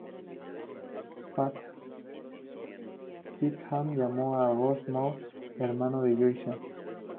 Peckham llamó a Ross Moore, hermano de Josiah.